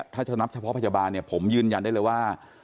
ถ้าจะนับเฉพาะพยาบาลเนี่ยผมยืนยันได้เลยว่า